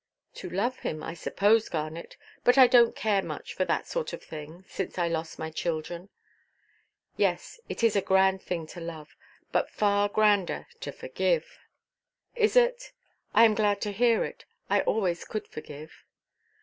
"To love him, I suppose, Garnet. But I donʼt care much for that sort of thing, since I lost my children." "Yes, it is a grand thing to love; but far grander to forgive." "Is it? I am glad to hear it. I always could forgive."